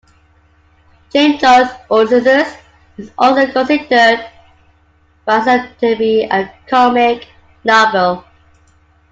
James Joyce's "Ulysses" is also considered by some to be a comic novel.